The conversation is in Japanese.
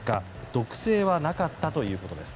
毒性はなかったということです。